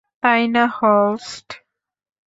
তাই না, হলস্ট?